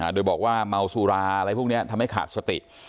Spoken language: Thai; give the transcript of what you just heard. โดยบอกว่าเมาสุราอะไรพวกนี้ทำให้ขาดสติ